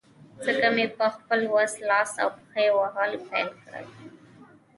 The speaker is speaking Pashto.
ځکه مې په خپل وس، لاس او پښې وهل پیل کړل.